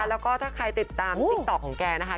แล้วก็ถ้าใครติดตามติ๊กต๊อกของแกนะคะ